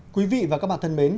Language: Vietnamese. quý vị và các bạn thân mến